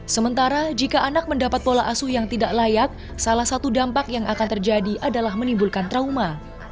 sementara jika anak mendapat pola asuh yang tidak layak salah satu dampak yang akan terjadi adalah menimbulkan trauma